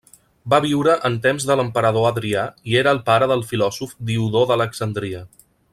Va viure en temps de l'emperador Adrià i era el pare del filòsof Diodor d'Alexandria.